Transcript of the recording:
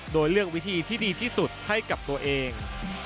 โดยเลือกวิธีที่ดีที่สุดให้กับตัวเอง